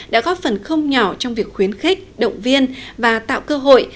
đã góp phần không nhỏ trong việc khuyến khích động viên và tạo cơ hội